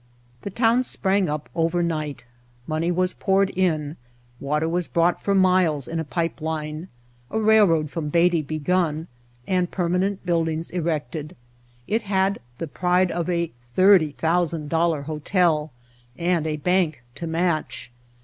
The town sprang up over night. Money was poured in. Water was brought for miles in a pipe line, a railroad from Beatty begun, and permanent buildings erected — it had the pride of a "thirty thousand dollar hotel," and a bank to match.